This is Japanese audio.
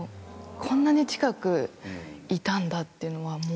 こんなに近くいたんだっていうのはもう。